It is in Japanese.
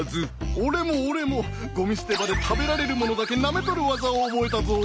オレもオレもゴミ捨て場で食べられるものだけなめとるワザを覚えたゾウ。